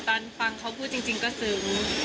ตอนฟังเขาพูดจริงก็ซึ้ง